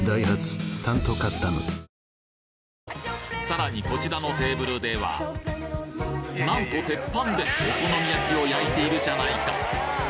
さらにこちらのテーブルではなんと鉄板でお好み焼きを焼いているじゃないか！